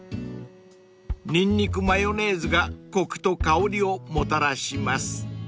［にんにくマヨネーズがコクと香りをもたらします］